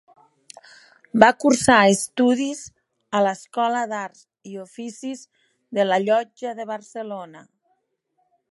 Va cursar estudis a l'Escola d’Arts i Oficis de la Llotja de Barcelona.